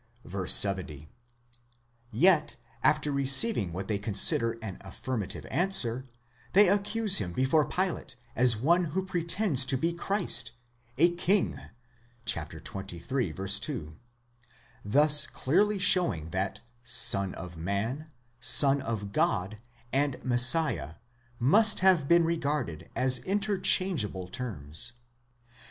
(vy. 70); yet, after receiving what they consider an affirmative answer, they accuse him before Pilate as one who pretends to be Christ, a king (xxiii. 2), thus clearly showing that Son of man, Son of God, and Messiah, must have been regarded as interchangeable terms.